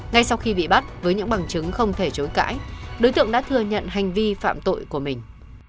ngay sau khi bị bắt với những bằng chứng không thể chối cãi đối tượng đã thừa nhận hành vi phạm tội của mình